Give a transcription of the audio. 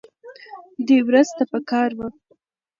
دې ورځ ته پکار وه